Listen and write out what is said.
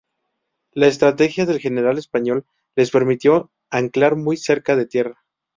La estrategia del general español les permitió anclar muy cerca de tierra.